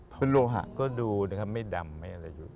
เพราะโลหะก็ดูนะครับไม่ดำไม่อะไรอยู่